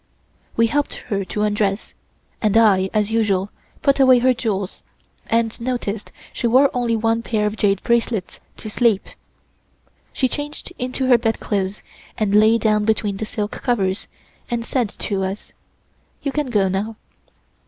We helped her to undress, and I, as usual, put away her jewels, and noticed she wore only one pair of jade bracelets to sleep. She changed into her bed clothes and lay down between the silk covers and said to us: "You can go now."